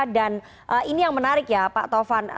dan ini yang menarik ya pak taufan